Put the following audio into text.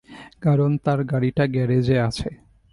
কারণ তার গাড়িটা গ্যারেজে আছে।